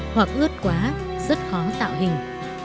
hoặc ướt quá rất khó tạo hình